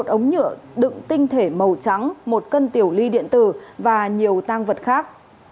một ống nhựa đựng tinh thể màu trắng một cân tiểu ly điện tử và nhiều tăng vật khác